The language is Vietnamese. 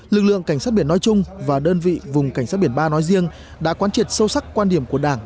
lực lượng cảnh sát biển nói chung và đơn vị vùng cảnh sát biển ba nói riêng đã quan triệt sâu sắc quan điểm của đảng